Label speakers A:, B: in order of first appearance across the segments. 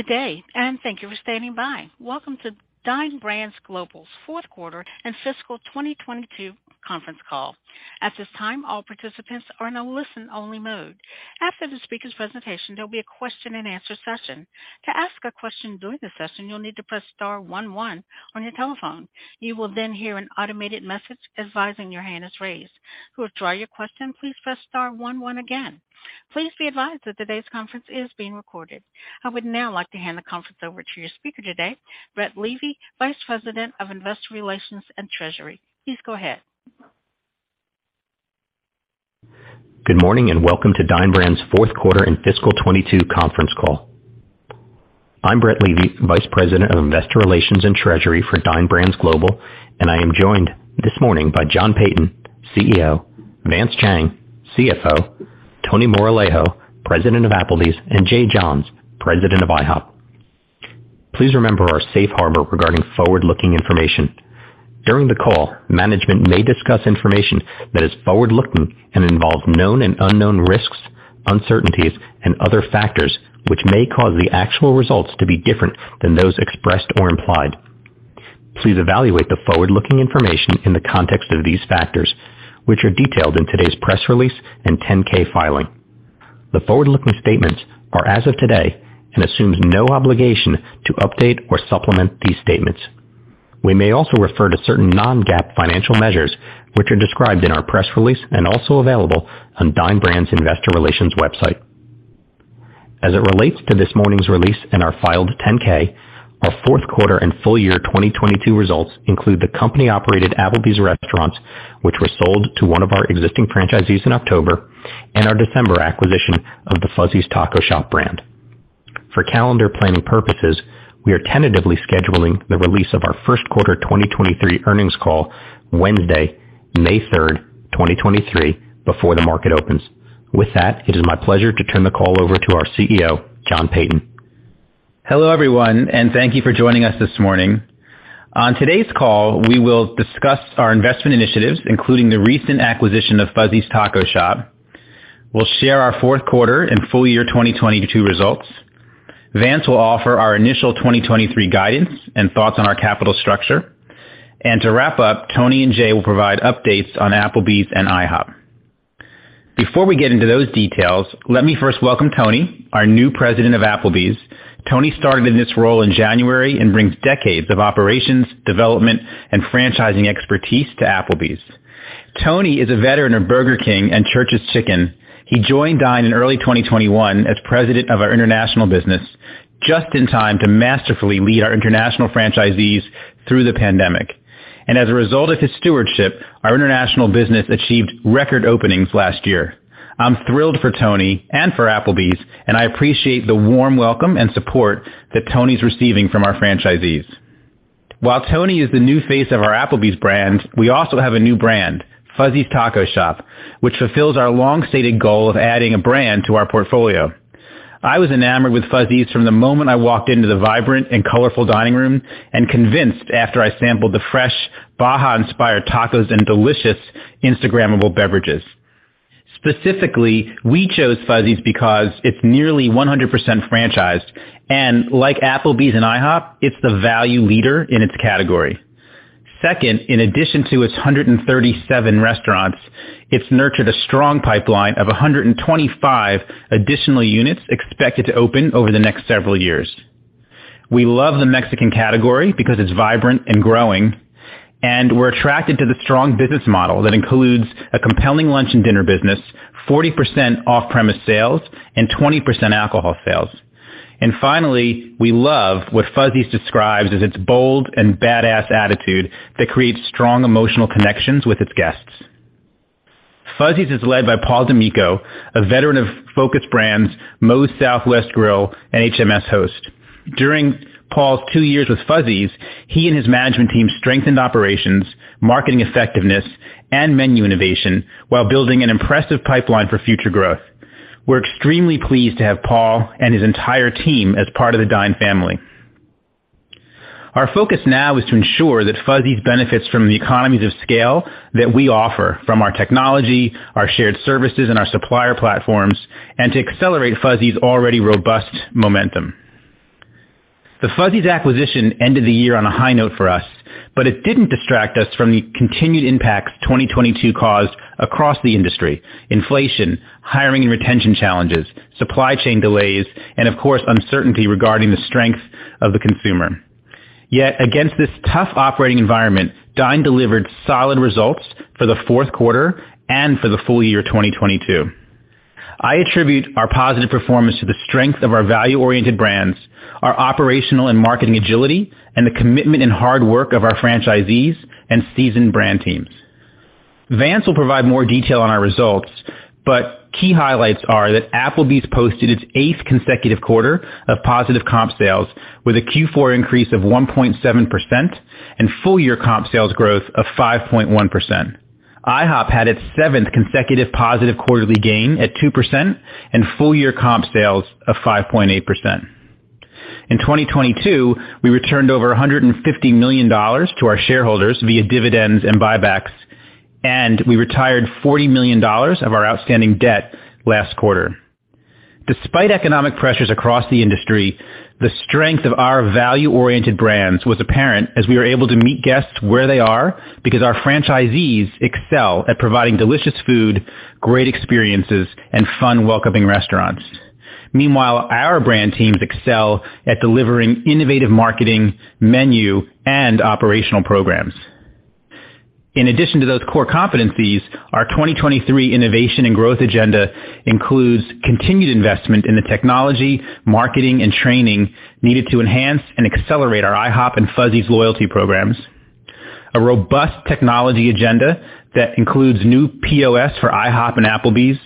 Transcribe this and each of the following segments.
A: Good day, and thank you for standing by. Welcome to Dine Brands Global's fourth quarter and fiscal 2022 conference call. At this time, all participants are in a listen only mode. After the speaker's presentation, there'll be a question-and-answer session. To ask a question during the session, you'll need to press star one one on your telephone. You will then hear an automated message advising your hand is raised. To withdraw your question, please press star one one again. Please be advised that today's conference is being recorded. I would now like to hand the conference over to your speaker today, Brett Levy, Vice President of Investor Relations and Treasury. Please go ahead.
B: Good morning, and welcome to Dine Brands fourth quarter and fiscal 22 conference call. I'm Brett Levy, Vice President of Investor Relations and Treasury for Dine Brands Global, and I am joined this morning by John Peyton, CEO, Vance Chang, CFO, Tony Moralejo, President of Applebee's, and Jay Johns, President of IHOP. Please remember our safe harbor regarding forward-looking information. During the call, management may discuss information that is forward-looking and involves known and unknown risks, uncertainties, and other factors which may cause the actual results to be different than those expressed or implied. Please evaluate the forward-looking information in the context of these factors, which are detailed in today's press release and 10-K filing. The forward-looking statements are as of today and assumes no obligation to update or supplement these statements. We may also refer to certain non-GAAP financial measures, which are described in our press release and also available on Dine Brands investor relations website. As it relates to this morning's release and our filed 10-K, our fourth quarter and full-year 2022 results include the company-operated Applebee's restaurants, which were sold to one of our existing franchisees in October and our December acquisition of the Fuzzy's Taco Shop brand. For calendar planning purposes, we are tentatively scheduling the release of our first quarter 2023 earnings call Wednesday, May 3rd, 2023, before the market opens. With that, it is my pleasure to turn the call over to our CEO, John Peyton.
C: Hello, everyone, and thank you for joining us this morning. On today's call, we will discuss our investment initiatives, including the recent acquisition of Fuzzy's Taco Shop. We'll share our fourth quarter and full-year 2022 results. Vance will offer our initial 2023 guidance and thoughts on our capital structure. To wrap up, Tony and Jay will provide updates on Applebee's and IHOP. Before we get into those details, let me first welcome Tony, our new President of Applebee's. Tony started in this role in January and brings decades of operations, development and franchising expertise to Applebee's. Tony is a veteran of Burger King and Church's Chicken. He joined Dine in early 2021 as president of our international business, just in time to masterfully lead our international franchisees through the pandemic. As a result of his stewardship, our international business achieved record openings last year. I'm thrilled for Tony and for Applebee's, and I appreciate the warm welcome and support that Tony's receiving from our franchisees. While Tony is the new face of our Applebee's brand, we also have a new brand, Fuzzy's Taco Shop, which fulfills our long stated goal of adding a brand to our portfolio. I was enamored with Fuzzy's from the moment I walked into the vibrant and colorful dining room and convinced after I sampled the fresh, Baja inspired tacos and delicious Instagrammable beverages. Specifically, we chose Fuzzy's because it's nearly 100% franchised and like Applebee's and IHOP, it's the value leader in its category. Second, in addition to its 137 restaurants, it's nurtured a strong pipeline of 125 additional units expected to open over the next several years. We love the Mexican category because it's vibrant and growing, we're attracted to the strong business model that includes a compelling lunch and dinner business, 40% off-premise sales, and 20% alcohol sales. Finally, we love what Fuzzy's describes as its bold and badass attitude that creates strong emotional connections with its guests. Fuzzy's is led by Paul D'Amico, a veteran of Focus Brands, Moe's Southwest Grill and HMSHost. During Paul's two years with Fuzzy's, he and his management team strengthened operations, marketing effectiveness, and menu innovation while building an impressive pipeline for future growth. We're extremely pleased to have Paul and his entire team as part of the Dine family. Our focus now is to ensure that Fuzzy's benefits from the economies of scale that we offer from our technology, our shared services, and our supplier platforms, and to accelerate Fuzzy's already robust momentum. The Fuzzy's acquisition ended the year on a high note for us. It didn't distract us from the continued impacts 2022 caused across the industry: inflation, hiring and retention challenges, supply chain delays, and of course, uncertainty regarding the strength of the consumer. Against this tough operating environment, Dine delivered solid results for the fourth quarter and for the full-year 2022. I attribute our positive performance to the strength of our value-oriented brands, our operational and marketing agility, and the commitment and hard work of our franchisees and seasoned brand teams. Vance will provide more detail on our results. Key highlights are that Applebee's posted its eighth consecutive quarter of positive comp sales with a Q4 increase of 1.7% and full-year comp sales growth of 5.1%. IHOP had its seventh consecutive positive quarterly gain at 2% and full-year comp sales of 5.8%. In 2022, we returned over $150 million to our shareholders via dividends and buybacks. We retired $40 million of our outstanding debt last quarter. Despite economic pressures across the industry, the strength of our value-oriented brands was apparent as we were able to meet guests where they are because our franchisees excel at providing delicious food, great experiences, and fun, welcoming restaurants. Meanwhile, our brand teams excel at delivering innovative marketing, menu, and operational programs. In addition to those core competencies, our 2023 innovation and growth agenda includes continued investment in the technology, marketing, and training needed to enhance and accelerate our IHOP and Fuzzy's loyalty programs. A robust technology agenda that includes new POS for IHOP and Applebee's,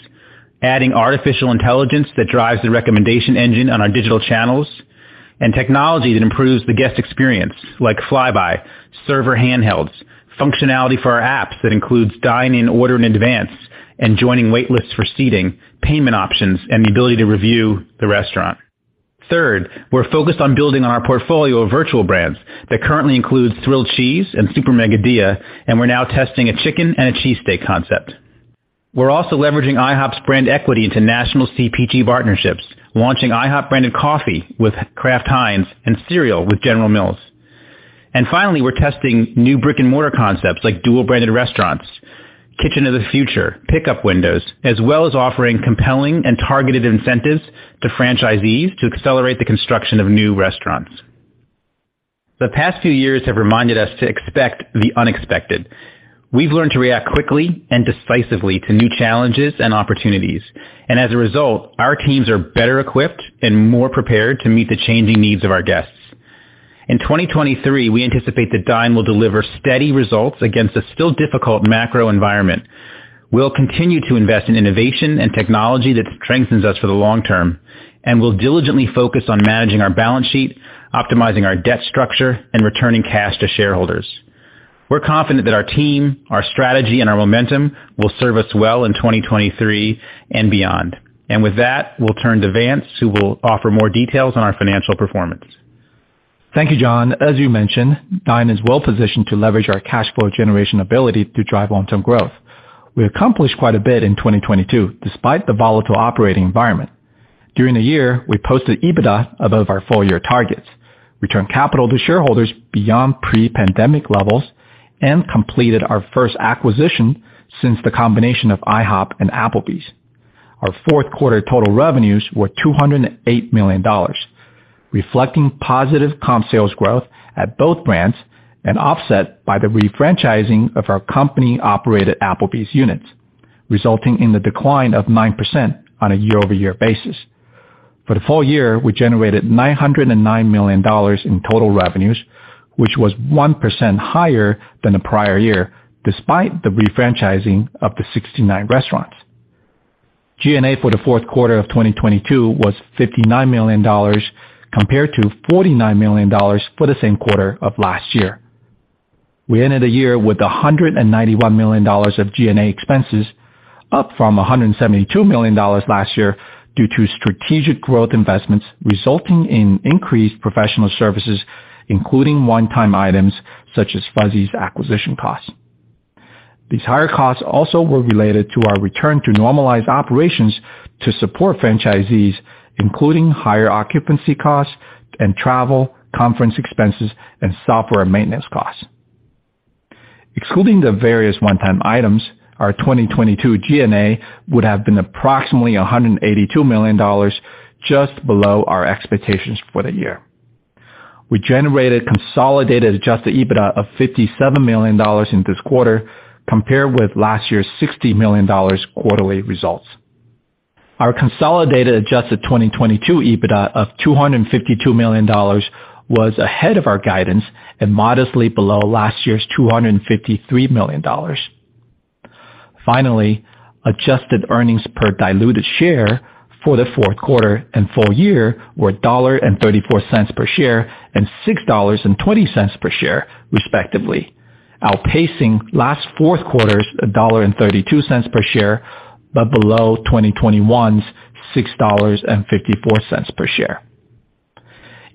C: adding artificial intelligence that drives the recommendation engine on our digital channels, and technology that improves the guest experience, like Flybuy, server handhelds, functionality for our apps that includes dine-in order in advance, and joining wait lists for seating, payment options, and the ability to review the restaurant. Third, we're focused on building on our portfolio of virtual brands that currently includes Thrill'd Cheese and Super Mega Dilla, and we're now testing a chicken and a cheese steak concept. We're also leveraging IHOP's brand equity into national CPG partnerships, launching IHOP branded coffee with Kraft Heinz and cereal with General Mills. Finally, we're testing new brick-and-mortar concepts like dual-branded restaurants, kitchen of the future, pickup windows, as well as offering compelling and targeted incentives to franchisees to accelerate the construction of new restaurants. The past few years have reminded us to expect the unexpected. We've learned to react quickly and decisively to new challenges and opportunities. As a result, our teams are better equipped and more prepared to meet the changing needs of our guests. In 2023, we anticipate that Dine will deliver steady results against a still difficult macro environment. We'll continue to invest in innovation and technology that strengthens us for the long term, and we'll diligently focus on managing our balance sheet, optimizing our debt structure, and returning cash to shareholders. We're confident that our team, our strategy, and our momentum will serve us well in 2023 and beyond. With that, we'll turn to Vance, who will offer more details on our financial performance.
D: Thank you, John. As you mentioned, Dine is well positioned to leverage our cash flow generation ability to drive long-term growth. We accomplished quite a bit in 2022 despite the volatile operating environment. During the year, we posted EBITDA above our full-year targets, returned capital to shareholders beyond pre-pandemic levels, and completed our first acquisition since the combination of IHOP and Applebee's. Our fourth quarter total revenues were $208 million, reflecting positive comp sales growth at both brands and offset by the refranchising of our company-operated Applebee's units, resulting in the decline of 9% on a year-over-year basis. For the full-year, we generated $909 million in total revenues, which was 1% higher than the prior year, despite the refranchising of the 69 restaurants. G&A for the fourth quarter of 2022 was $59 million compared to $49 million for the same quarter of last year. We ended the year with $191 million of G&A expenses, up from $172 million last year due to strategic growth investments resulting in increased professional services, including one-time items such as Fuzzy's acquisition costs. These higher costs also were related to our return to normalized operations to support franchisees, including higher occupancy costs and travel, conference expenses, and software maintenance costs. Excluding the various one-time items, our 2022 G&A would have been approximately $182 million, just below our expectations for the year. We generated consolidated adjusted EBITDA of $57 million in this quarter, compared with last year's $60 million quarterly results. Our consolidated adjusted 2022 EBITDA of $252 million was ahead of our guidance and modestly below last year's $253 million. Adjusted earnings per diluted share for the fourth quarter and full-year were $1.34 per share and $6.20 per share, respectively, outpacing last fourth quarter's $1.32 per share, but below 2021's $6.54 per share.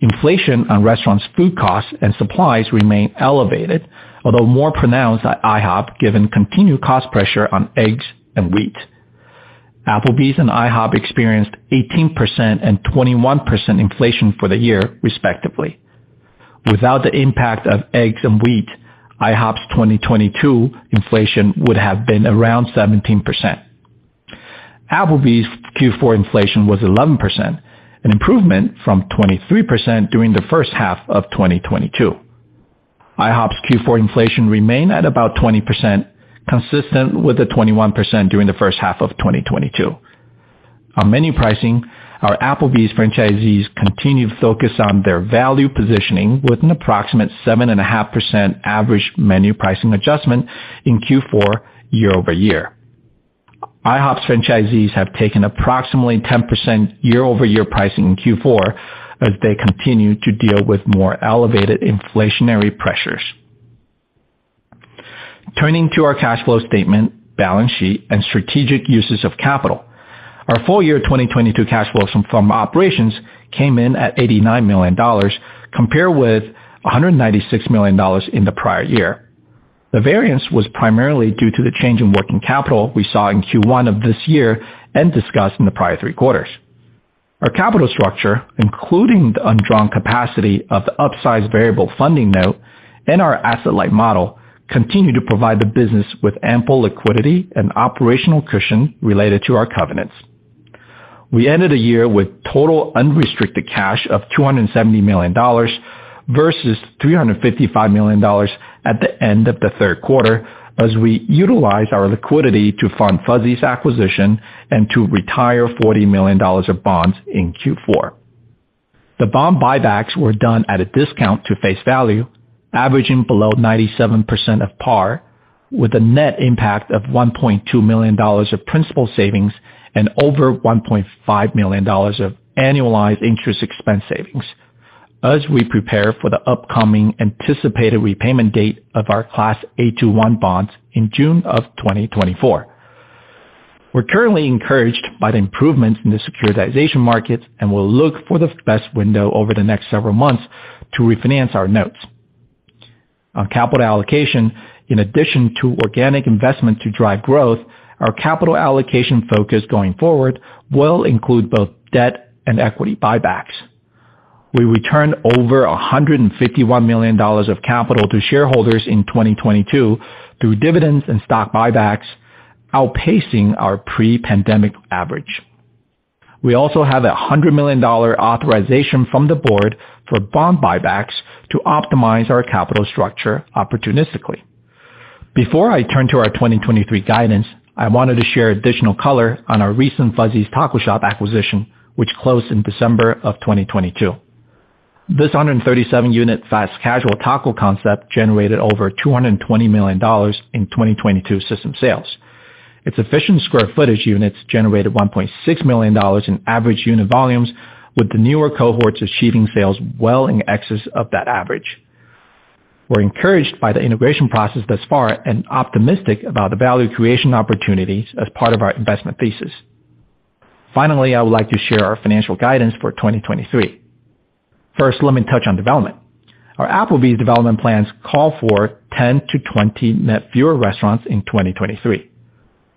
D: Inflation on restaurants' food costs and supplies remain elevated, although more pronounced at IHOP, given continued cost pressure on eggs and wheat. Applebee's and IHOP experienced 18% and 21% inflation for the year, respectively. Without the impact of eggs and wheat, IHOP's 2022 inflation would have been around 17%. Applebee's Q4 inflation was 11%, an improvement from 23% during the first half of 2022. IHOP's Q4 inflation remained at about 20%, consistent with the 21% during the first half of 2022. On menu pricing, our Applebee's franchisees continue to focus on their value positioning with an approximate 7.5% average menu pricing adjustment in Q4 year-over-year. IHOP's franchisees have taken approximately 10% year-over-year pricing in Q4 as they continue to deal with more elevated inflationary pressures. Turning to our cash flow statement, balance sheet, and strategic uses of capital. Our full-year 2022 cash flows from operations came in at $89 million, compared with $196 million in the prior year. The variance was primarily due to the change in working capital we saw in Q1 of this year and discussed in the prior 3 quarters. Our capital structure, including the undrawn capacity of the upsized Variable Funding Notes and our asset-light model, continue to provide the business with ample liquidity and operational cushion related to our covenants. We ended the year with total unrestricted cash of $270 million versus $355 million at the end of the third quarter, as we utilized our liquidity to fund Fuzzy's acquisition and to retire $40 million of bonds in Q4. The bond buybacks were done at a discount to face value, averaging below 97% of par, with a net impact of $1.2 million of principal savings and over $1.5 million of annualized interest expense savings as we prepare for the upcoming anticipated repayment date of our Class A-2-I bonds in June 2024. We're currently encouraged by the improvements in the securitization markets and will look for the best window over the next several months to refinance our notes. On capital allocation, in addition to organic investment to drive growth, our capital allocation focus going forward will include both debt and equity buybacks. We returned over $151 million of capital to shareholders in 2022 through dividends and stock buybacks, outpacing our pre-pandemic average. We also have a $100 million authorization from the board for bond buybacks to optimize our capital structure opportunistically. Before I turn to our 2023 guidance, I wanted to share additional color on our recent Fuzzy's Taco Shop acquisition, which closed in December of 2022. This 137-unit fast casual taco concept generated over $220 million in 2022 system sales. Its efficient square footage units generated $1.6 million in average unit volumes, with the newer cohorts achieving sales well in excess of that average. We're encouraged by the integration process thus far and optimistic about the value creation opportunities as part of our investment thesis. Finally, I would like to share our financial guidance for 2023. First, let me touch on development. Our Applebee's development plans call for 10-20 net fewer restaurants in 2023.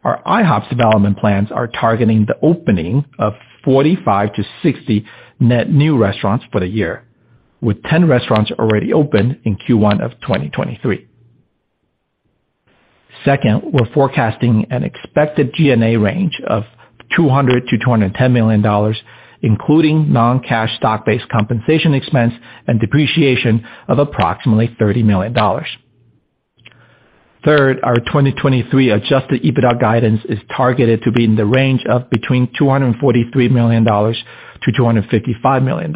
D: Our IHOP's development plans are targeting the opening of 45-60 net new restaurants for the year, with 10 restaurants already opened in Q1 of 2023. Second, we're forecasting an expected G&A range of $200 million-$210 million, including non-cash stock-based compensation expense and depreciation of approximately $30 million. Third, our 2023 adjusted EBITDA guidance is targeted to be in the range of between $243 million- $255 million.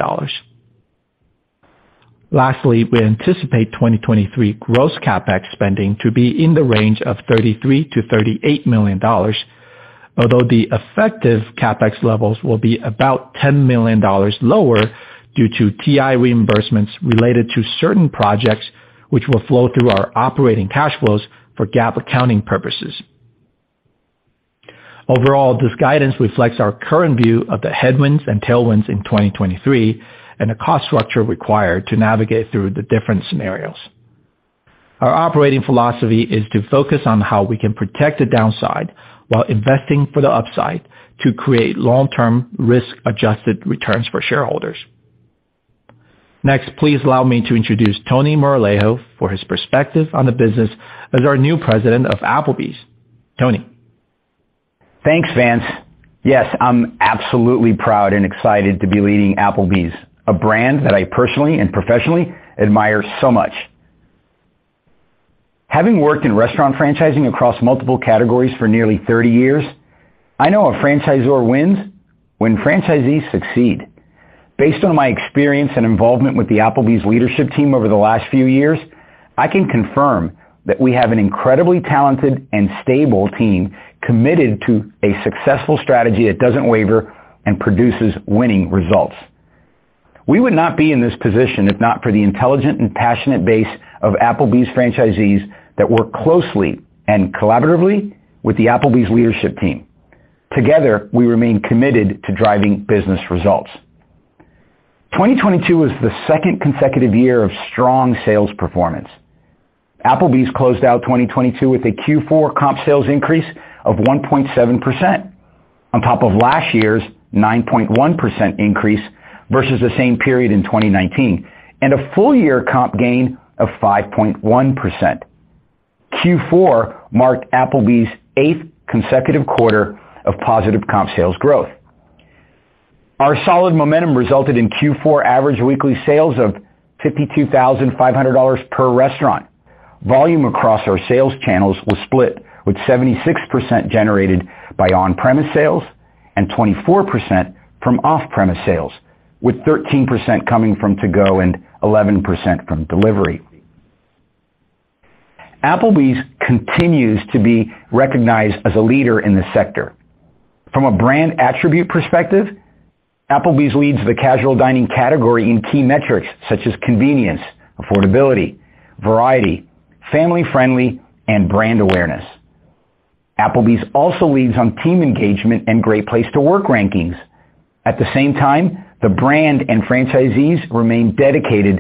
D: Lastly, we anticipate 2023 gross CapEx spending to be in the range of $33 million-$38 million, although the effective CapEx levels will be about $10 million lower due to TI reimbursements related to certain projects, which will flow through our operating cash flows for GAAP accounting purposes. Overall, this guidance reflects our current view of the headwinds and tailwinds in 2023 and the cost structure required to navigate through the different scenarios. Our operating philosophy is to focus on how we can protect the downside while investing for the upside to create long-term risk-adjusted returns for shareholders. Next, please allow me to introduce Tony Moralejo for his perspective on the business as our new President of Applebee's. Tony.
E: Thanks, Vance. Yes, I'm absolutely proud and excited to be leading Applebee's, a brand that I personally and professionally admire so much. Having worked in restaurant franchising across multiple categories for nearly 30 years, I know a franchisor wins when franchisees succeed. Based on my experience and involvement with the Applebee's leadership team over the last few years, I can confirm that we have an incredibly talented and stable team committed to a successful strategy that doesn't waver and produces winning results. We would not be in this position if not for the intelligent and passionate base of Applebee's franchisees that work closely and collaboratively with the Applebee's leadership team. Together, we remain committed to driving business results. 2022 was the second consecutive year of strong sales performance. Applebee's closed out 2022 with a Q4 comp sales increase of 1.7%, on top of last year's 9.1% increase versus the same period in 2019, and a full-year comp gain of 5.1%. Q4 marked Applebee's eighth consecutive quarter of positive comp sales growth. Our solid momentum resulted in Q4 average weekly sales of $52,500 per restaurant. Volume across our sales channels was split, with 76% generated by on-premise sales and 24% from off-premise sales, with 13% coming from to-go and 11% from delivery. Applebee's continues to be recognized as a leader in the sector. From a brand attribute perspective, Applebee's leads the casual dining category in key metrics such as convenience, affordability, variety, family-friendly, and brand awareness. Applebee's also leads on team engagement and great place to work rankings. At the same time, the brand and franchisees remain dedicated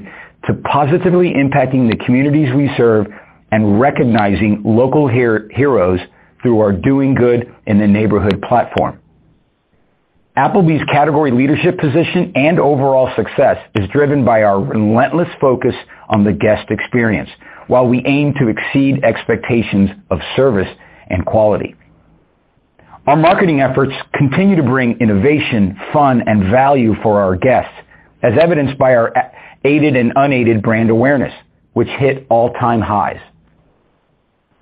E: to positively impacting the communities we serve and recognizing local heroes through our Doin' Good in the Neighborhood platform. Applebee's category leadership position and overall success is driven by our relentless focus on the guest experience while we aim to exceed expectations of service and quality. Our marketing efforts continue to bring innovation, fun, and value for our guests, as evidenced by our aided and unaided brand awareness, which hit all-time highs.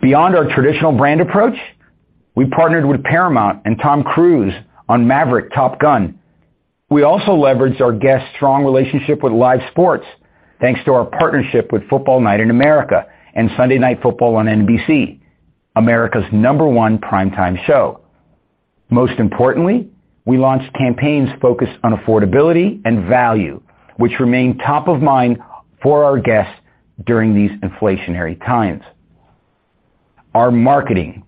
E: Beyond our traditional brand approach, we partnered with Paramount and Tom Cruise on Top Gun: Maverick. We also leveraged our guests' strong relationship with live sports, thanks to our partnership with Football Night in America and Sunday Night Football on NBC, America's number one primetime show. Most importantly, we launched campaigns focused on affordability and value, which remain top of mind for our guests during these inflationary times. Our marketing,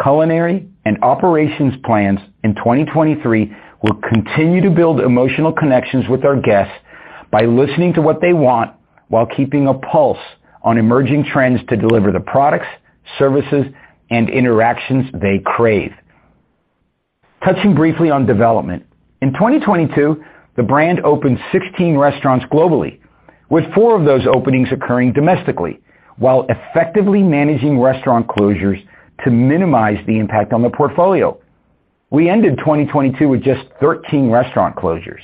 E: culinary, and operations plans in 2023 will continue to build emotional connections with our guests by listening to what they want while keeping a pulse on emerging trends to deliver the products, services, and interactions they crave. Touching briefly on development, in 2022, the brand opened 16 restaurants globally, with four of those openings occurring domestically while effectively managing restaurant closures to minimize the impact on the portfolio. We ended 2022 with just 13 restaurant closures.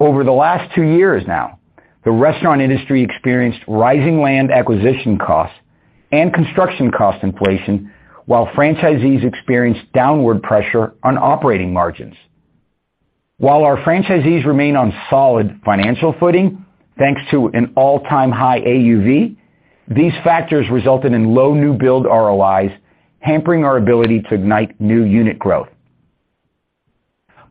E: Over the last two years now, the restaurant industry experienced rising land acquisition costs and construction cost inflation while franchisees experienced downward pressure on operating margins. While our franchisees remain on solid financial footing, thanks to an all-time high AUV, these factors resulted in low new build ROIs, hampering our ability to ignite new unit growth.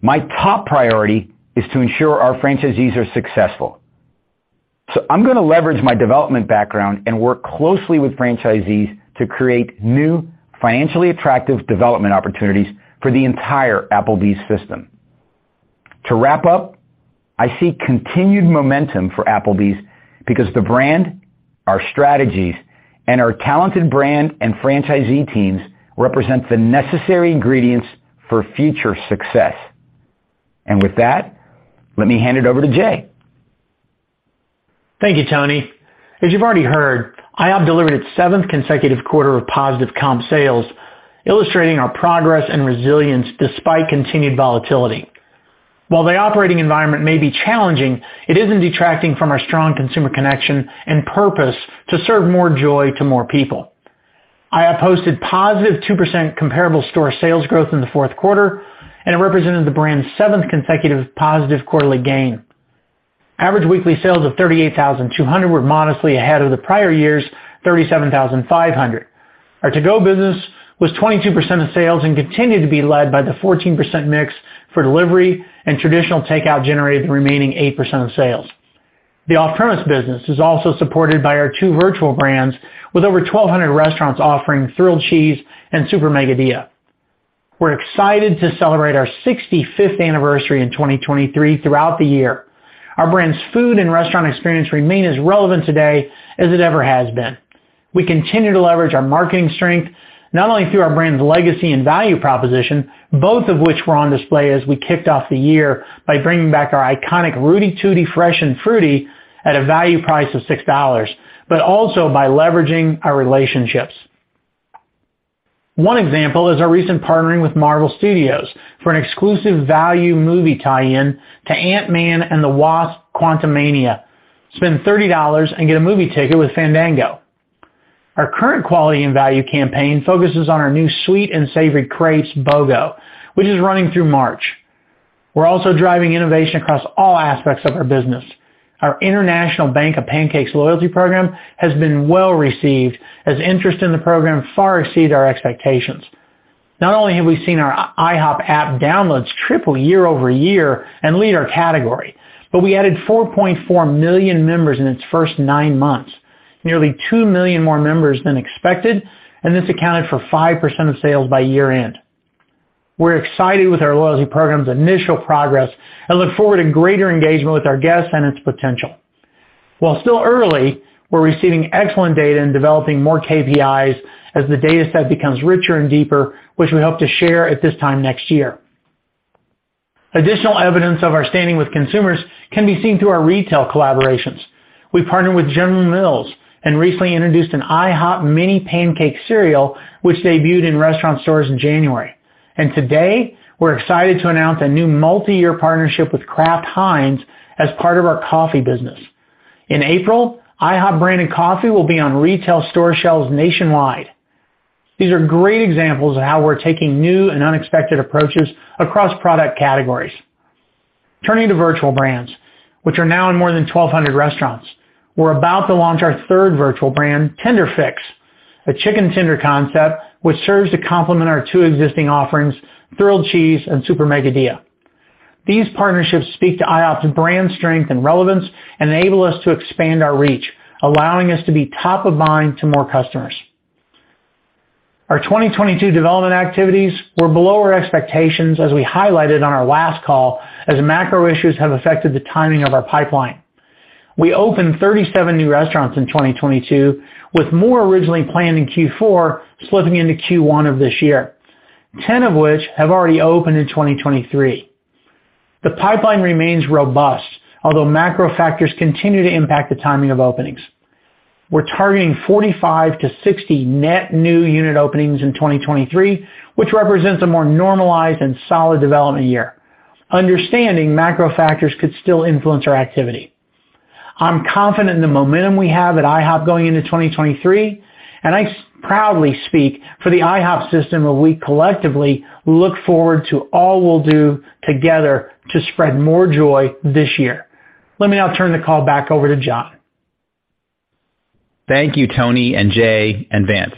E: My top priority is to ensure our franchisees are successful. I'm going to leverage my development background and work closely with franchisees to create new financially attractive development opportunities for the entire Applebee's system. To wrap up, I see continued momentum for Applebee's because the brand, our strategies, and our talented brand and franchisee teams represent the necessary ingredients for future success. With that, let me hand it over to Jay.
F: Thank you, Tony. As you've already heard, IHOP delivered its seventh consecutive quarter of positive comp sales, illustrating our progress and resilience despite continued volatility. While the operating environment may be challenging, it isn't detracting from our strong consumer connection and purpose to serve more joy to more people. IHOP posted positive 2% comparable store sales growth in the fourth quarter, and it represented the brand's seventh consecutive positive quarterly gain. Average weekly sales of $38,200 were modestly ahead of the prior year's $37,500. Our to-go business was 22% of sales and continued to be led by the 14% mix for delivery and traditional takeout generated the remaining 8% of sales. The off-premise business is also supported by our two virtual brands, with over 1,200 restaurants offering Thrill'd Cheese and Super Mega Dilla. We're excited to celebrate our 65th anniversary in 2023 throughout the year. Our brand's food and restaurant experience remain as relevant today as it ever has been. We continue to leverage our marketing strength not only through our brand's legacy and value proposition, both of which were on display as we kicked off the year by bringing back our iconic Rooty Tooty Fresh 'N Fruity at a value price of $6, but also by leveraging our relationships. One example is our recent partnering with Marvel Studios for an exclusive value movie tie-in to Ant-Man and the Wasp: Quantumania. Spend $30 and get a movie ticket with Fandango. Our current quality and value campaign focuses on our new sweet and savory Crepes BOGO, which is running through March. We're also driving innovation across all aspects of our business. Our International Bank of Pancakes loyalty program has been well-received, as interest in the program far exceeded our expectations. Not only have we seen our IHOP app downloads triple year-over-year and lead our category, but we added 4.4 million members in its first nine months, nearly 2 million more members than expected, and this accounted for 5% of sales by year-end. We're excited with our loyalty program's initial progress and look forward to greater engagement with our guests and its potential. While still early, we're receiving excellent data and developing more KPIs as the data set becomes richer and deeper, which we hope to share at this time next year. Additional evidence of our standing with consumers can be seen through our retail collaborations. We partnered with General Mills and recently introduced an IHOP mini pancake cereal, which debuted in restaurant stores in January. Today, we're excited to announce a new multi-year partnership with Kraft Heinz as part of our coffee business. In April, IHOP branded coffee will be on retail store shelves nationwide. These are great examples of how we're taking new and unexpected approaches across product categories. Turning to virtual brands, which are now in more than 1,200 restaurants. We're about to launch our third virtual brand, TenderFix. A chicken tender concept which serves to complement our two existing offerings, Thrill'd Cheese and Super Mega Dilla. These partnerships speak to IHOP's brand strength and relevance and enable us to expand our reach, allowing us to be top of mind to more customers. Our 2022 development activities were below our expectations, as we highlighted on our last call, as macro issues have affected the timing of our pipeline. We opened 37 new restaurants in 2022, with more originally planned in Q4 slipping into Q1 of this year, 10 of which have already opened in 2023. The pipeline remains robust, although macro factors continue to impact the timing of openings. We're targeting 45-60 net new unit openings in 2023, which represents a more normalized and solid development year. Understanding macro factors could still influence our activity. I'm confident in the momentum we have at IHOP going into 2023, and I proudly speak for the IHOP system where we collectively look forward to all we'll do together to spread more joy this year. Let me now turn the call back over to John.
C: Thank you, Tony and Jay and Vance.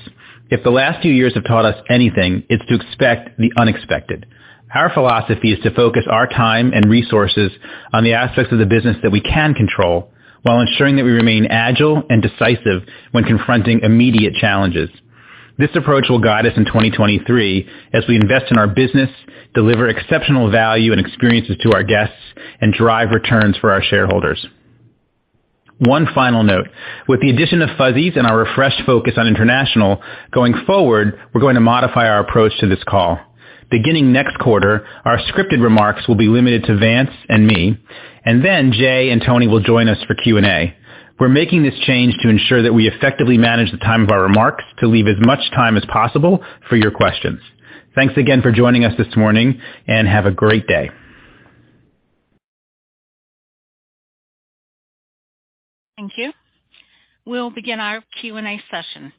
C: If the last few years have taught us anything, it's to expect the unexpected. Our philosophy is to focus our time and resources on the aspects of the business that we can control while ensuring that we remain agile and decisive when confronting immediate challenges. This approach will guide us in 2023 as we invest in our business, deliver exceptional value and experiences to our guests, and drive returns for our shareholders. One final note. With the addition of Fuzzy's and our refreshed focus on international, going forward, we're going to modify our approach to this call. Beginning next quarter, our scripted remarks will be limited to Vance and me, and then Jay and Tony will join us for Q&A. We're making this change to ensure that we effectively manage the time of our remarks to leave as much time as possible for your questions. Thanks again for joining us this morning. Have a great day.
A: Thank you. We'll begin our Q&A session.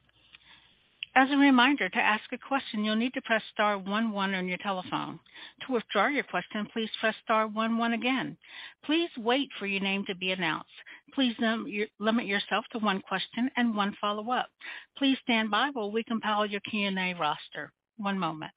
A: As a reminder, to ask a question, you'll need to press star 1 1 on your telephone. To withdraw your question, please press star 1 1 again. Please wait for your name to be announced. Please limit yourself to 1 question and 1 follow-up. Please stand by while we compile your Q&A roster. 1 moment.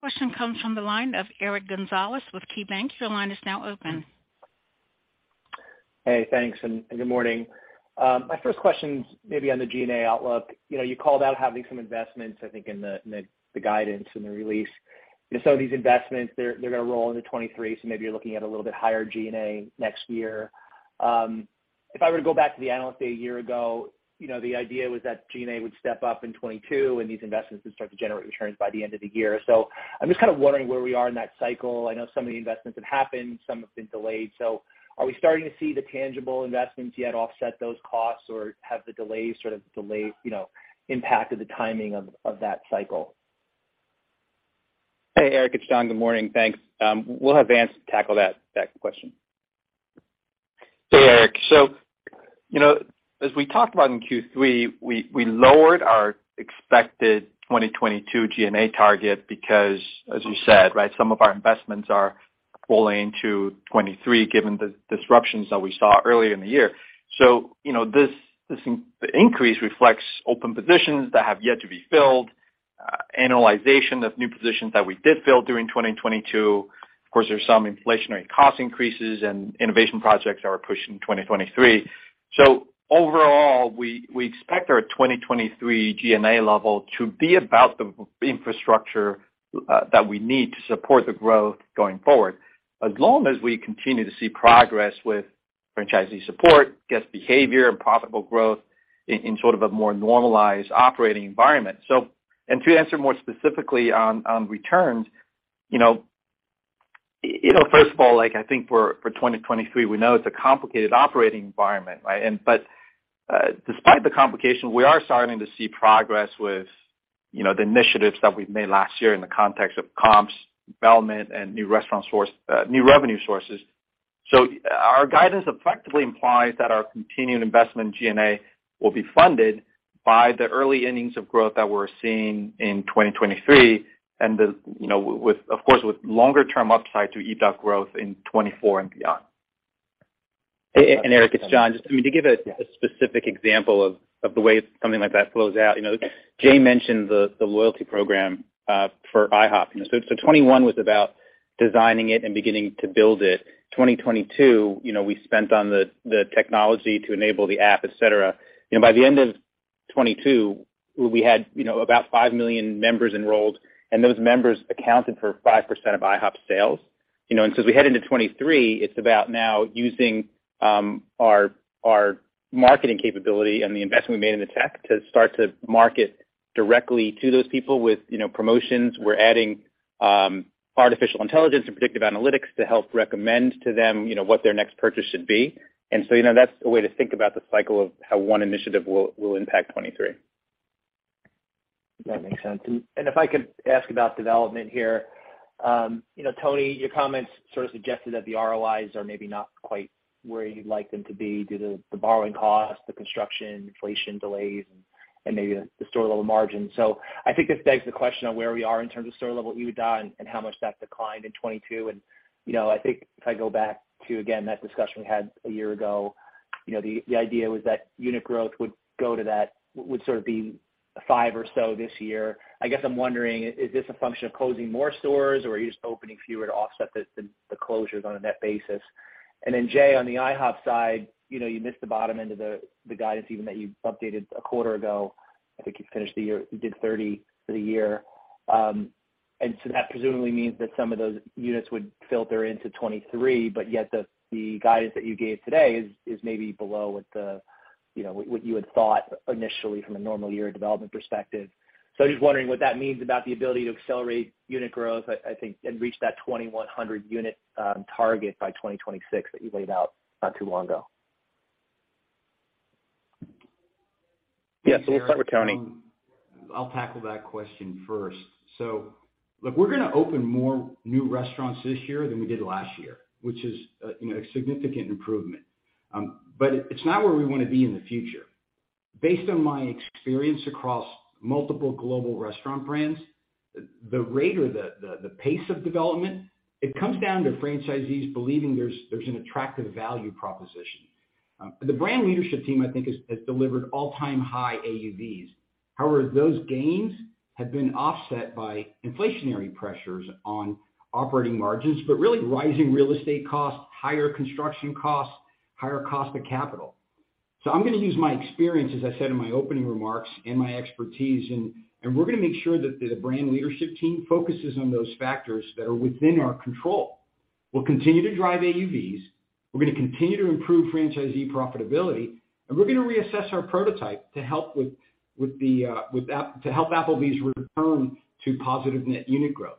A: Question comes from the line of Eric Gonzalez with KeyBanc. Your line is now open.
G: Hey, thanks, and good morning. My first question's maybe on the G&A outlook. You know, you called out having some investments, I think, in the guidance in the release. Some of these investments, they're gonna roll into 2023, so maybe you're looking at a little bit higher G&A next year. If I were to go back to the analyst day a year ago, you know, the idea was that G&A would step up in 2022, and these investments would start to generate returns by the end of the year. I'm just kinda wondering where we are in that cycle. I know some of the investments have happened, some have been delayed. Are we starting to see the tangible investments yet offset those costs, or have the delays sort of delayed, you know, impacted the timing of that cycle?
C: Hey, Eric, it's John. Good morning. Thanks. We'll have Vance tackle that question.
D: Hey, Eric. you know, as we talked about in Q3, we lowered our expected 2022 G&A target because, as you said, right, some of our investments are rolling to 2023 given the disruptions that we saw earlier in the year. you know, this increase reflects open positions that have yet to be filled, annualization of new positions that we did fill during 2022. Of course, there's some inflationary cost increases and innovation projects that are pushed in 2023. Overall, we expect our 2023 G&A level to be about the infrastructure that we need to support the growth going forward, as long as we continue to see progress with franchisee support, guest behavior, and profitable growth in sort of a more normalized operating environment. To answer more specifically on returns, you know, you know, first of all, like, I think for 2023, we know it's a complicated operating environment, right? Despite the complication, we are starting to see progress with, you know, the initiatives that we've made last year in the context of comps, development, and new restaurant source, new revenue sources. Our guidance effectively implies that our continued investment in G&A will be funded by the early innings of growth that we're seeing in 2023 and, you know, with, of course, with longer term upside to EBITDA growth in 2024 and beyond.
C: Eric, it's John. Just, I mean, to give a specific example of the way something like that flows out. You know, Jay mentioned the loyalty program for IHOP. 2021 was about designing it and beginning to build it. 2022, you know, we spent on the technology to enable the app, et cetera. You know, by the end of 2022, we had, you know, about 5 million members enrolled, and those members accounted for 5% of IHOP's sales. You know, as we head into 2023, it's about now using our marketing capability and the investment we made in the tech to start to market directly to those people with, you know, promotions. We're adding artificial intelligence and predictive analytics to help recommend to them, you know, what their next purchase should be. You know, that's a way to think about the cycle of how one initiative will impact 2023.
G: That makes sense. If I could ask about development here. You know, Tony, your comments sort of suggested that the ROIs are maybe not quite where you'd like them to be due to the borrowing costs, the construction, inflation delays and maybe the store level margin. I think this begs the question on where we are in terms of store level EBITDA and how much that declined in 2022. You know, I think if I go back to, again, that discussion we had a year ago, you know, the idea was that unit growth would go to that would sort of be five or so this year. I guess I'm wondering, is this a function of closing more stores, or are you just opening fewer to offset the closures on a net basis? Jay, on the IHOP side, you know, you missed the bottom end of the guidance even that you updated a quarter ago. I think you finished the year, you did 30 for the year. That presumably means that some of those units would filter into 2023, but yet the guidance that you gave today is maybe below what you know, what you had thought initially from a normal year development perspective. I'm just wondering what that means about the ability to accelerate unit growth, I think, and reach that 2,100 unit target by 2026 that you laid out not too long ago.
H: Yes. We'll start with Tony.
E: I'll tackle that question first. We're gonna open more new restaurants this year than we did last year, which is a, you know, a significant improvement. It's not where we wanna be in the future. Based on my experience across multiple global restaurant brands, the rate or the pace of development, it comes down to franchisees believing there's an attractive value proposition. The brand leadership team, I think has delivered all-time high AUVs. However, those gains have been offset by inflationary pressures on operating margins, but really rising real estate costs, higher construction costs, higher cost of capital. I'm gonna use my experience, as I said in my opening remarks, and my expertise, and we're gonna make sure that the brand leadership team focuses on those factors that are within our control. We'll continue to drive AUVs. We're gonna continue to improve franchisee profitability, and we're gonna reassess our prototype to help with the to help Applebee's return to positive net unit growth.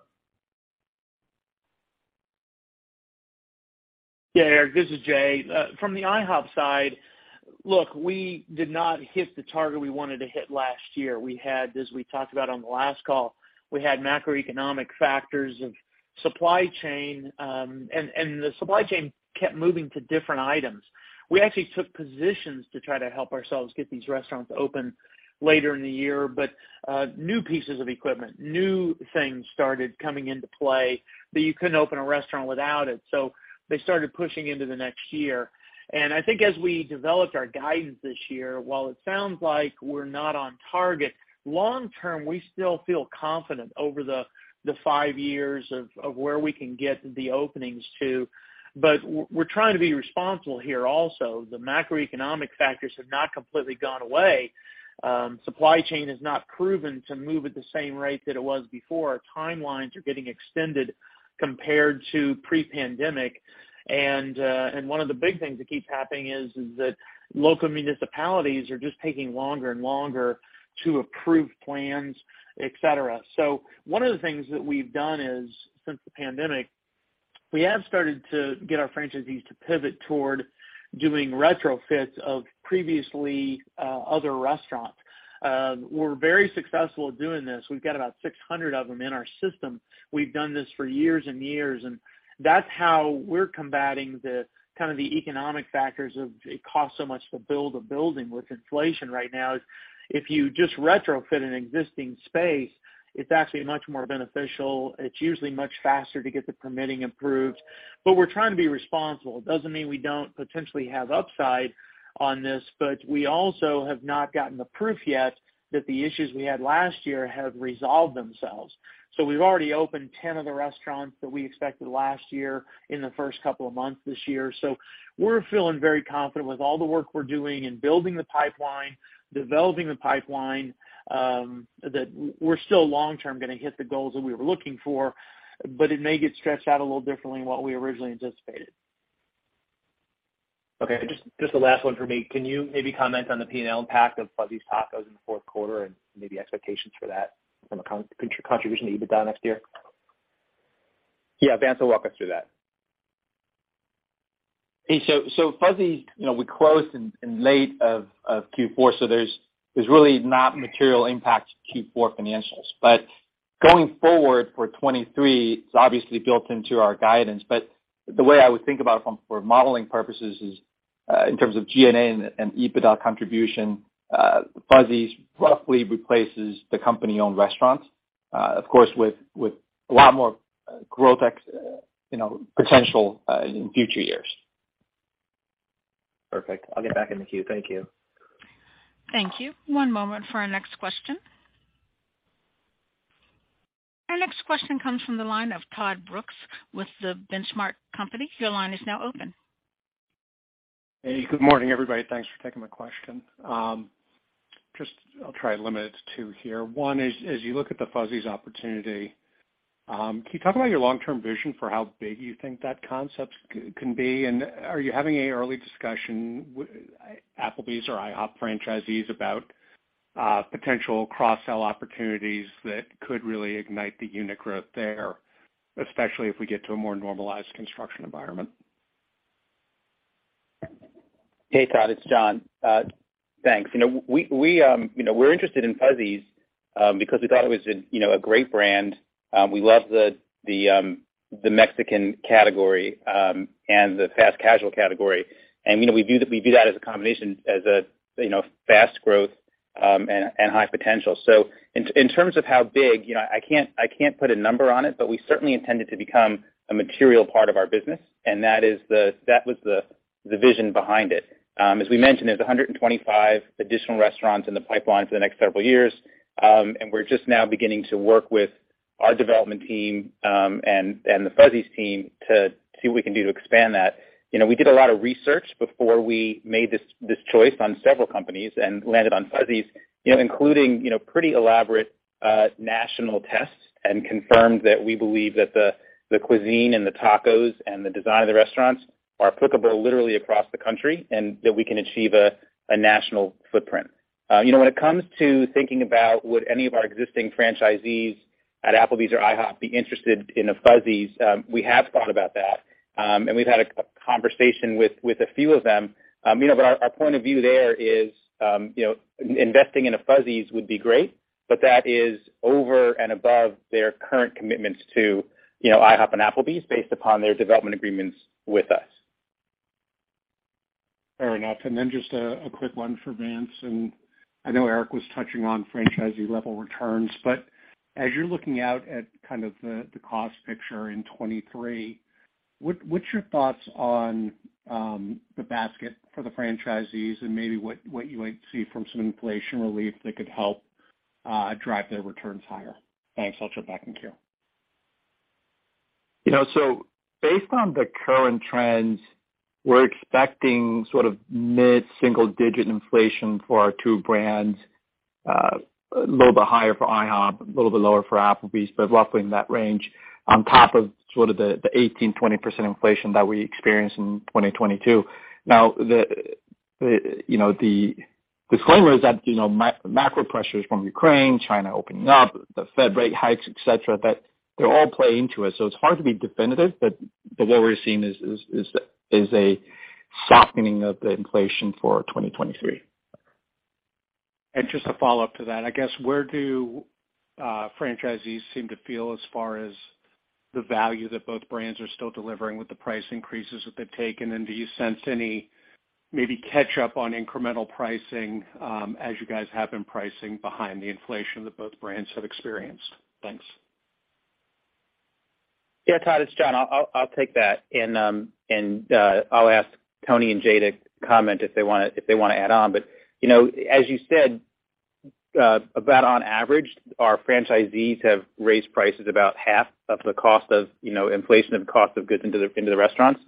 F: Eric, this is Jay. From the IHOP side, look, we did not hit the target we wanted to hit last year. We had, as we talked about on the last call, we had macroeconomic factors of supply chain, and the supply chain kept moving to different items. We actually took positions to try to help ourselves get these restaurants open later in the year, but new pieces of equipment, new things started coming into play that you couldn't open a restaurant without it, so they started pushing into the next year. I think as we developed our guidance this year, while it sounds like we're not on target, long term, we still feel confident over the five years of where we can get the openings to. We're trying to be responsible here also. The macroeconomic factors have not completely gone away. Supply chain has not proven to move at the same rate that it was before. Timelines are getting extended compared to pre-pandemic. One of the big things that keeps happening is that local municipalities are just taking longer and longer to approve plans, et cetera. One of the things that we've done is, since the pandemic, we have started to get our franchisees to pivot toward doing retrofits of previously other restaurants. We're very successful at doing this. We've got about 600 of them in our system. We've done this for years and years, and that's how we're combating the kind of the economic factors of it costs so much to build a building with inflation right now. If you just retrofit an existing space, it's actually much more beneficial. It's usually much faster to get the permitting approved. We're trying to be responsible. It doesn't mean we don't potentially have upside on this, but we also have not gotten the proof yet that the issues we had last year have resolved themselves. We've already opened 10 of the restaurants that we expected last year in the first couple of months this year. We're feeling very confident with all the work we're doing in building the pipeline, developing the pipeline, that we're still long term gonna hit the goals that we were looking for, but it may get stretched out a little differently than what we originally anticipated.
G: Okay. Just the last one for me. Can you maybe comment on the P&L impact of Fuzzy's Tacos in the fourth quarter and maybe expectations for that from a contribution to EBITDA next year?
H: Yeah, Vance will walk us through that.
D: Fuzzy's, you know, we closed in late of Q4, there's really not material impact to Q4 financials. Going forward for 2023, it's obviously built into our guidance. The way I would think about it from, for modeling purposes is in terms of G&A and EBITDA contribution, Fuzzy's roughly replaces the company-owned restaurants, of course, with a lot more growth, you know, potential in future years.
G: Perfect. I'll get back in the queue. Thank you.
A: Thank you. One moment for our next question. Our next question comes from the line of Todd Brooks with The Benchmark Company. Your line is now open.
I: Hey, good morning, everybody. Thanks for taking my question. Just I'll try to limit it to two here. One is, as you look at the Fuzzy's opportunity, can you talk about your long-term vision for how big you think that concept can be? Are you having any early discussion Applebee's or IHOP franchisees about potential cross-sell opportunities that could really ignite the unit growth there, especially if we get to a more normalized construction environment?
C: Hey, Todd, it's John. Thanks. You know, we, you know, we're interested in Fuzzy's Because we thought it was an, you know, a great brand. We love the Mexican category and the fast casual category. You know, we view that as a combination as a, you know, fast growth and high potential. In terms of how big, you know, I can't put a number on it, but we certainly intend it to become a material part of our business, and that was the vision behind it. As we mentioned, there's 125 additional restaurants in the pipeline for the next several years. We're just now beginning to work with our development team and the Fuzzy's team to see what we can do to expand that. You know, we did a lot of research before we made this choice on several companies and landed on Fuzzy's, you know, including pretty elaborate national tests and confirmed that we believe that the cuisine and the tacos and the design of the restaurants are applicable literally across the country, and that we can achieve a national footprint. When it comes to thinking about would any of our existing franchisees at Applebee's or IHOP be interested in a Fuzzy's, we have thought about that, and we've had a conversation with a few of them. Our point of view there is, investing in a Fuzzy's would be great, but that is over and above their current commitments to IHOP and Applebee's based upon their development agreements with us.
I: Fair enough. Then just a quick one for Vance, and I know Eric was touching on franchisee level returns, but as you're looking out at kind of the cost picture in 2023, what's your thoughts on the basket for the franchisees and maybe what you might see from some inflation relief that could help drive their returns higher? Thanks. I'll turn back in queue.
D: You know, based on the current trends, we're expecting sort of mid-single digit inflation for our two brands. A little bit higher for IHOP, a little bit lower for Applebee's, but roughly in that range on top of sort of the 18%-20% inflation that we experienced in 2022. The, you know, the disclaimer is that, you know, macro pressures from Ukraine, China opening up, the Fed rate hikes, et cetera, that they all play into it, so it's hard to be definitive. What we're seeing is a softening of the inflation for 2023.
I: Just a follow-up to that, I guess, where do franchisees seem to feel as far as the value that both brands are still delivering with the price increases that they've taken? Do you sense any maybe catch up on incremental pricing, as you guys have been pricing behind the inflation that both brands have experienced? Thanks.
C: Yeah. Todd, it's John. I'll take that. I'll ask Tony and Jay to comment if they wanna add on. You know, as you said, about on average, our franchisees have raised prices about half of the cost of, you know, inflation of cost of goods into the restaurants.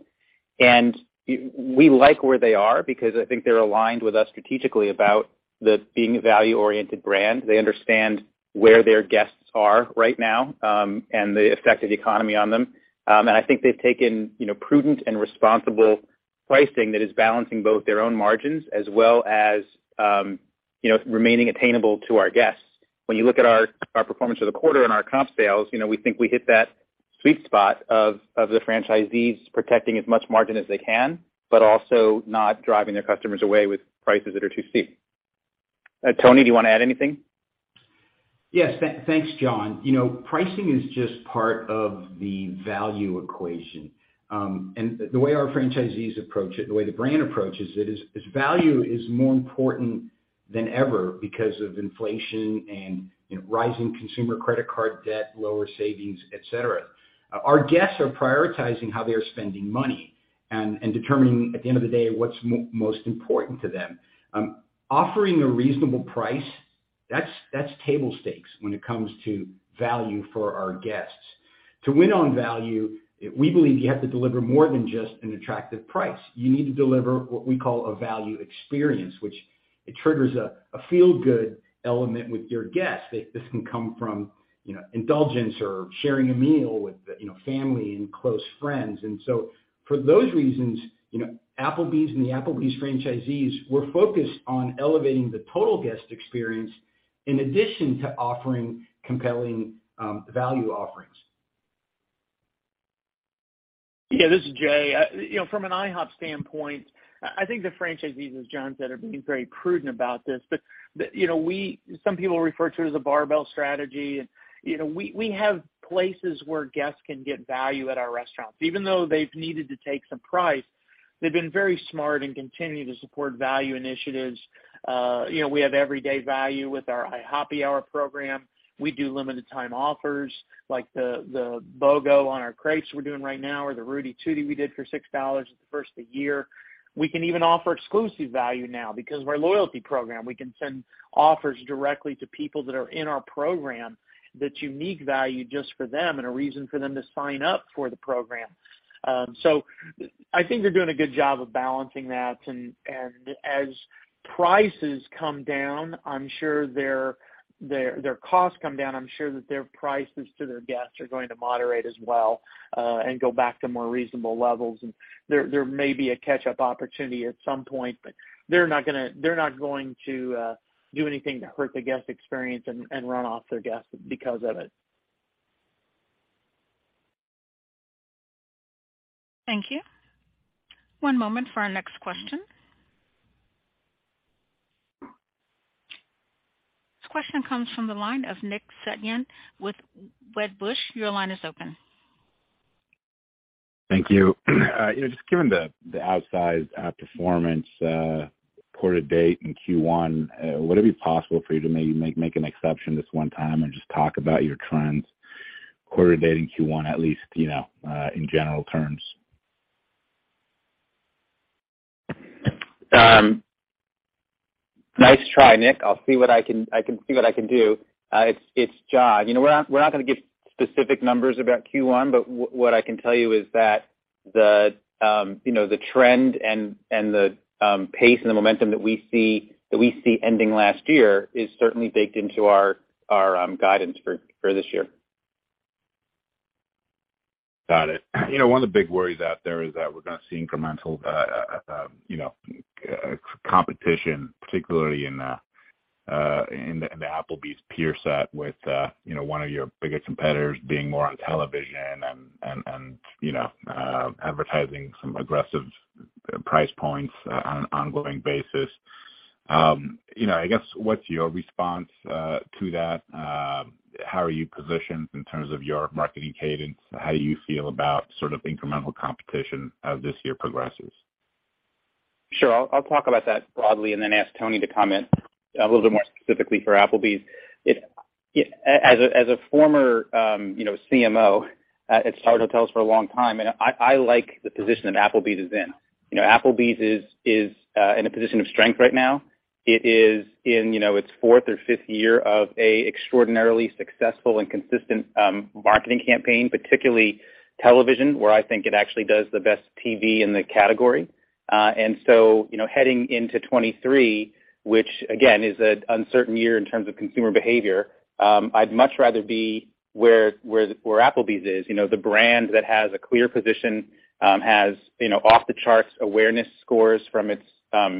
C: We like where they are because I think they're aligned with us strategically about the being a value-oriented brand. They understand where their guests are right now, and the effect of the economy on them. I think they've taken, you know, prudent and responsible pricing that is balancing both their own margins as well as, you know, remaining attainable to our guests. When you look at our performance for the quarter and our comp sales, you know, we think we hit that sweet spot of the franchisees protecting as much margin as they can, but also not driving their customers away with prices that are too steep. Tony, do you wanna add anything?
E: Yes. Thanks, John. You know, pricing is just part of the value equation. The way our franchisees approach it, the way the brand approaches it, is value is more important than ever because of inflation and, you know, rising consumer credit card debt, lower savings, et cetera. Our guests are prioritizing how they are spending money and determining at the end of the day, what's most important to them. Offering a reasonable price, that's table stakes when it comes to value for our guests. To win on value, we believe you have to deliver more than just an attractive price. You need to deliver what we call a value experience, which triggers a feel good element with your guests. This can come from, you know, indulgence or sharing a meal with, you know, family and close friends. For those reasons, you know, Applebee's and the Applebee's franchisees, we're focused on elevating the total guest experience in addition to offering compelling value offerings.
F: Yeah, this is Jay. You know, from an IHOP standpoint, I think the franchisees, as John said, are being very prudent about this. You know, some people refer to it as a barbell strategy and, you know, we have places where guests can get value at our restaurants. Even though they've needed to take some price, they've been very smart and continue to support value initiatives. You know, we have everyday value with our IHOPPY Hour program. We do limited time offers like the BOGO on our crepes we're doing right now, or the Rooty Tooty we did for $6 the first of the year. We can even offer exclusive value now because of our loyalty program. We can send offers directly to people that are in our program that's unique value just for them and a reason for them to sign up for the program. I think they're doing a good job of balancing that. As prices come down, I'm sure their costs come down, I'm sure that their prices to their guests are going to moderate as well, and go back to more reasonable levels. There may be a catch-up opportunity at some point, but they're not going to do anything to hurt the guest experience and run off their guests because of it.
A: Thank you. One moment for our next question. This question comes from the line of Nick Setyan with Wedbush. Your line is open.
H: Thank you. you know, just given the outsized performance, quarter date in Q1, would it be possible for you to maybe make an exception this one time and just talk about your trends quarter date in Q1 at least, you know, in general terms?
C: Nice try, Nick. I can see what I can do. It's John. You know, we're not gonna give specific numbers about Q1, but what I can tell you is that the, you know, the trend and the pace and the momentum that we see ending last year is certainly baked into our guidance for this year.
H: Got it. You know, one of the big worries out there is that we're gonna see incremental, you know, competition, particularly in the Applebee's peer set with, you know, one of your bigger competitors being more on television and, you know, advertising some aggressive price points on an ongoing basis. You know, I guess what's your response to that? How are you positioned in terms of your marketing cadence? How do you feel about sort of incremental competition as this year progresses?
C: Sure. I'll talk about that broadly and then ask Tony to comment a little bit more specifically for Applebee's. If, as a former, you know, CMO at Starwood Hotels for a long time, and I like the position that Applebee's is in. You know, Applebee's is in a position of strength right now. It is in, you know, its fourth or fifth year of a extraordinarily successful and consistent marketing campaign, particularly television, where I think it actually does the best TV in the category. You know, heading into 2023, which again is an uncertain year in terms of consumer behavior, I'd much rather be where Applebee's is. You know, the brand that has a clear position, has, you know, off the charts awareness scores from its, from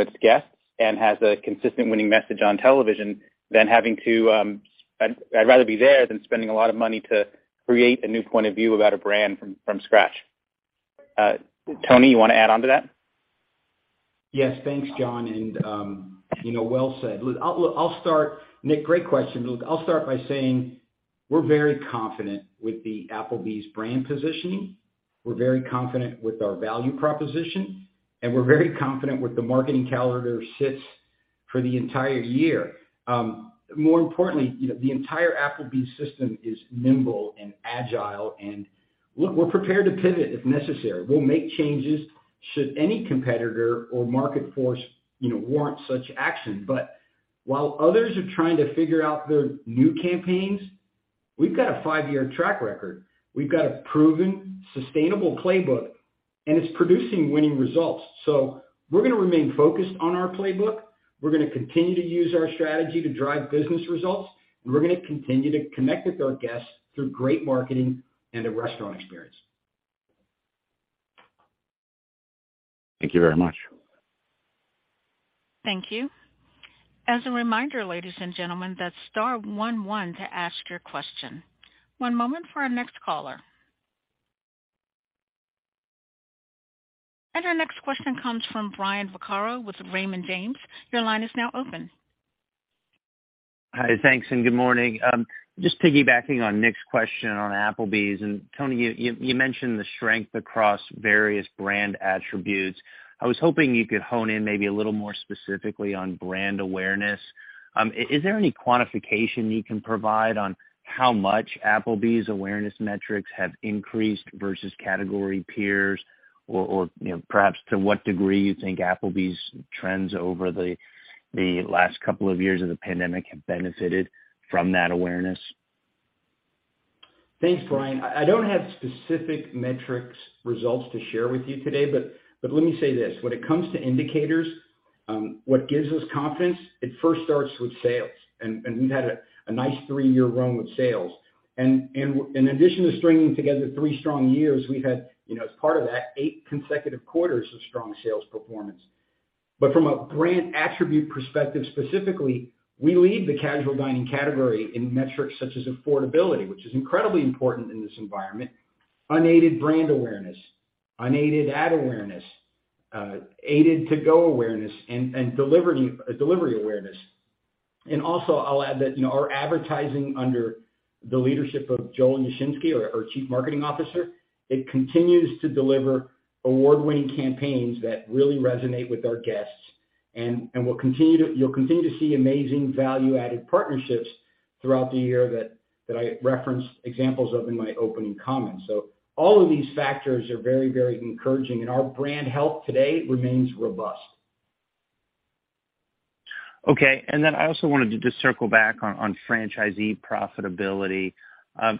C: its guests and has a consistent winning message on television than having to... I'd rather be there than spending a lot of money to create a new point of view about a brand from scratch. Tony, you wanna add on to that?
E: Yes. Thanks, John. you know, well said. Look, I'll start. Nick, great question. Look, I'll start by saying we're very confident with the Applebee's brand positioning. We're very confident with our value proposition, and we're very confident with the marketing calendar sits for the entire year. More importantly, you know, the entire Applebee's system is nimble and agile. Look, we're prepared to pivot if necessary. We'll make changes should any competitor or market force, you know, warrant such action. While others are trying to figure out their new campaigns, we've got a five-year track record. We've got a proven sustainable playbook, and it's producing winning results. We're gonna remain focused on our playbook. We're gonna continue to use our strategy to drive business results, and we're gonna continue to connect with our guests through great marketing and a restaurant experience.
H: Thank you very much.
A: Thank you. As a reminder, ladies and gentlemen, that's star one one to ask your question. One moment for our next caller. Our next question comes from Brian Vaccaro with Raymond James. Your line is now open.
J: Hi, thanks and good morning. Just piggybacking on Nick's question on Applebee's, and Tony, you mentioned the strength across various brand attributes. I was hoping you could hone in maybe a little more specifically on brand awareness. Is there any quantification you can provide on how much Applebee's awareness metrics have increased versus category peers? You know, perhaps to what degree you think Applebee's trends over the last couple of years of the pandemic have benefited from that awareness?
E: Thanks, Brian. I don't have specific metrics results to share with you today, but let me say this. When it comes to indicators, what gives us confidence, it first starts with sales, and we've had a nice three-year run with sales. In addition to stringing together three strong years, we've had, you know, as part of that, eight consecutive quarters of strong sales performance. From a brand attribute perspective, specifically, we lead the casual dining category in metrics such as affordability, which is incredibly important in this environment, unaided brand awareness, unaided ad awareness, aided to-go awareness, and delivery awareness. Also I'll add that, you know, our advertising under the leadership of Joel Yashinsky, our Chief Marketing Officer, it continues to deliver award-winning campaigns that really resonate with our guests. we'll continue to see amazing value-added partnerships throughout the year that I referenced examples of in my opening comments. All of these factors are very encouraging, and our brand health today remains robust.
J: Okay. I also wanted to just circle back on franchisee profitability.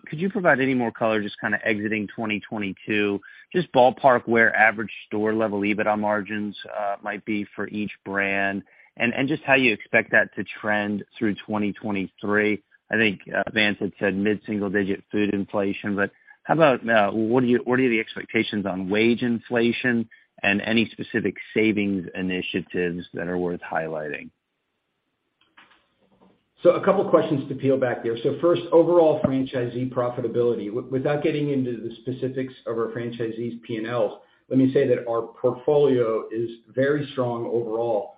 J: Could you provide any more color just kind of exiting 2022, just ballpark where average store level EBITDA margins might be for each brand and just how you expect that to trend through 2023. I think Vance had said mid-single digit food inflation, but how about what are the expectations on wage inflation and any specific savings initiatives that are worth highlighting?
E: A couple questions to peel back there. First, overall franchisee profitability. Without getting into the specifics of our franchisees' P&Ls, let me say that our portfolio is very strong overall,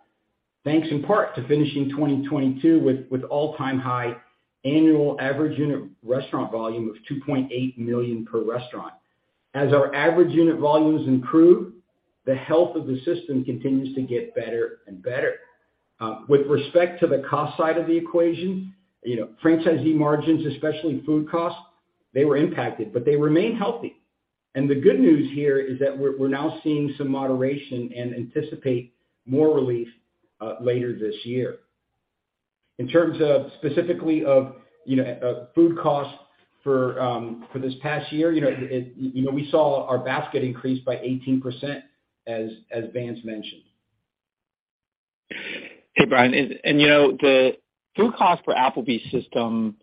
E: thanks in part to finishing 2022 with all-time high annual average unit restaurant volume of $2.8 million per restaurant. As our average unit volumes improve, the health of the system continues to get better and better. With respect to the cost side of the equation, you know, franchisee margins, especially food costs, they were impacted, but they remain healthy. The good news here is that we're now seeing some moderation and anticipate more relief later this year. In terms of specifically of, you know, food costs for this past year, you know, we saw our basket increase by 18% as Vance mentioned.
D: Hey, Brian, you know, the food cost for Applebee's system,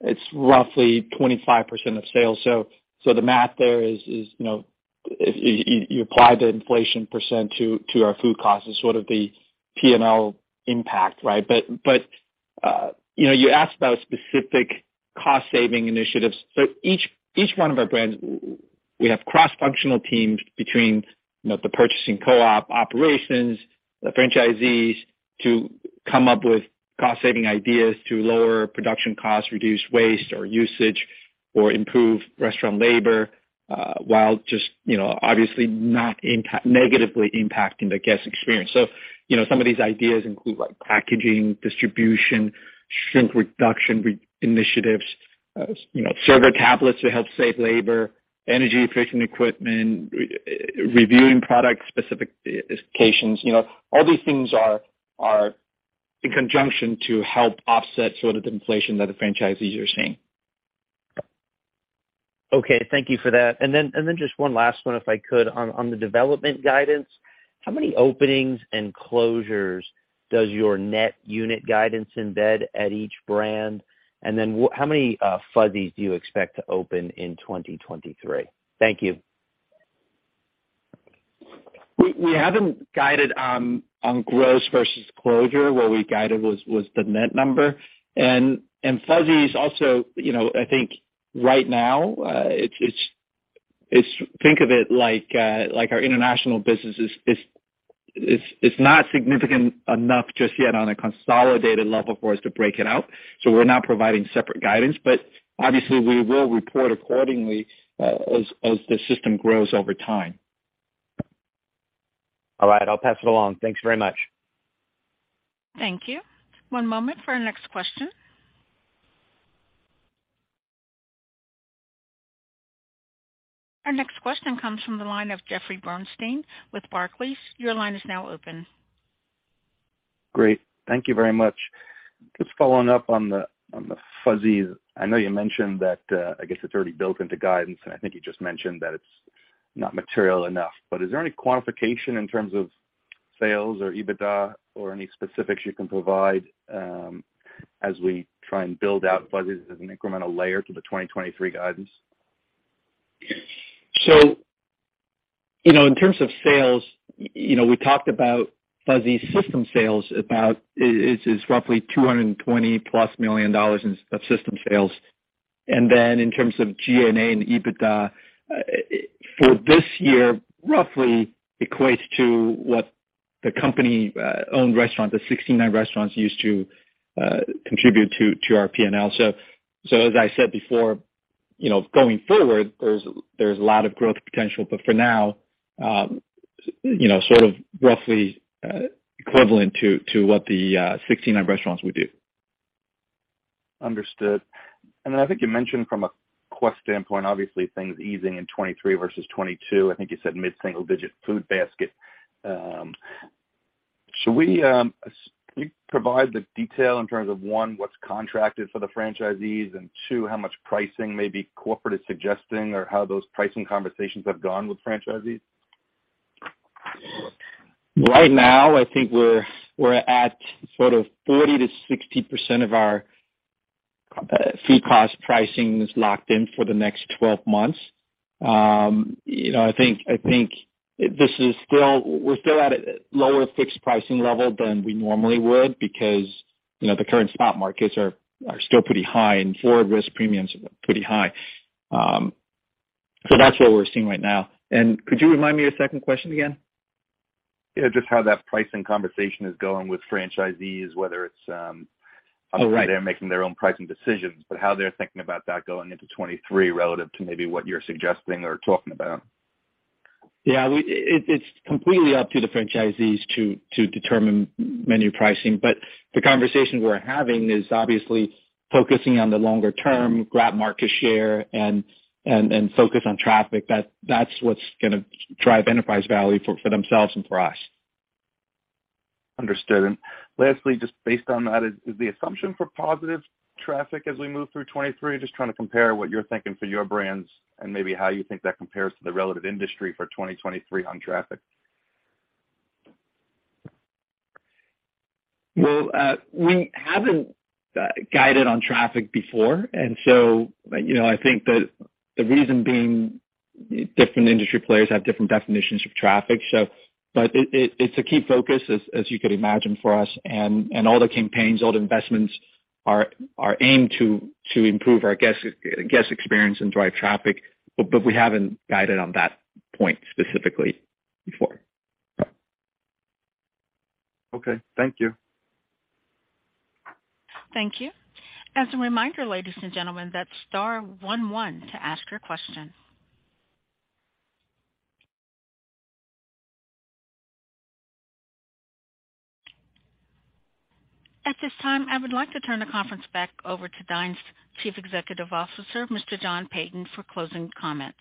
D: it's roughly 25% of sales. The math there is, you know, if you apply the inflation percent to our food costs is sort of the P&L impact, right? You know, you asked about specific cost saving initiatives. Each one of our brands, we have cross-functional teams between, you know, the purchasing co-op operations, the franchisees to come up with cost saving ideas to lower production costs, reduce waste or usage, or improve restaurant labor, while just, you know, obviously not negatively impacting the guest experience. You know, some of these ideas include like packaging, distribution, shrink reduction initiatives, server tablets to help save labor, energy efficient equipment, reviewing product specifications. You know, all these things are in conjunction to help offset sort of the inflation that the franchisees are seeing. Okay. Thank you for that. Just one last one, if I could on the development guidance. How many openings and closures does your net unit guidance embed at each brand? How many Fuzzy's do you expect to open in 2023? Thank you. We haven't guided on growth versus closure. What we guided was the net number. Fuzzy's also, you know, I think right now, it's -- think of it like our international business. It's not significant enough just yet on a consolidated level for us to break it out, so we're not providing separate guidance. Obviously we will report accordingly, as the system grows over time.
J: All right. I'll pass it along. Thanks very much.
A: Thank you. One moment for our next question. Our next question comes from the line of Jeffrey Bernstein with Barclays. Your line is now open.
K: Great. Thank you very much. Just following up on the, on the Fuzzy's. I know you mentioned that, I guess it's already built into guidance, and I think you just mentioned that it's not material enough. Is there any quantification in terms of sales or EBITDA or any specifics you can provide, as we try and build out Fuzzy's as an incremental layer to the 2023 guidance?
D: you know, in terms of sales, you know, we talked about Fuzzy's system sales about it's roughly $220+ million of system sales. in terms of G&A and EBITDA, for this year, roughly equates to what the company owned restaurant, the 69 restaurants used to contribute to our P&L. as I said before, you know, going forward, there's a lot of growth potential. for now, you know, sort of roughly equivalent to what the 69 restaurants would do.
K: Understood. I think you mentioned from a cost standpoint, obviously things easing in 2023 versus 2022. I think you said mid-single-digit food basket. Should we, can you provide the detail in terms of, one, what's contracted for the franchisees, and two, how much pricing maybe corporate is suggesting or how those pricing conversations have gone with franchisees?
D: Right now, I think we're at sort of 40%-60% of our food cost pricing is locked in for the next 12 months. You know, I think we're still at a lower fixed pricing level than we normally would because, you know, the current spot markets are still pretty high and forward risk premiums are pretty high. So that's what we're seeing right now. Could you remind me of the second question again?
K: Yeah, just how that pricing conversation is going with franchisees, whether it's...
D: Oh, right.
K: Obviously they're making their own pricing decisions, but how they're thinking about that going into 2023 relative to maybe what you're suggesting or talking about.
D: Yeah, it's completely up to the franchisees to determine menu pricing, but the conversation we're having is obviously focusing on the longer term, grab market share and focus on traffic. That's what's gonna drive enterprise value for themselves and for us.
K: Understood. Lastly, just based on that, is the assumption for positive traffic as we move through 2023? Just trying to compare what you're thinking for your brands and maybe how you think that compares to the relative industry for 2023 on traffic.
D: Well, we haven't guided on traffic before. You know, I think that the reason being different industry players have different definitions of traffic. But it's a key focus as you could imagine for us and all the campaigns, all the investments are aimed to improve our guest experience and drive traffic, but we haven't guided on that point specifically before.
K: Okay. Thank you.
A: Thank you. As a reminder, ladies and gentlemen, that's star one one to ask your question. At this time, I would like to turn the conference back over to Dine's Chief Executive Officer, Mr. John Peyton, for closing comments.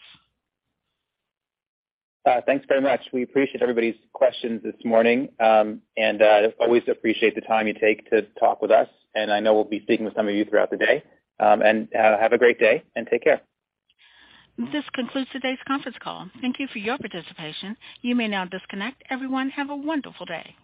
C: Thanks very much. We appreciate everybody's questions this morning. Always appreciate the time you take to talk with us. I know we'll be speaking with some of you throughout the day. Have a great day and take care.
A: This concludes today's conference call. Thank you for your participation. You may now disconnect. Everyone, have a wonderful day.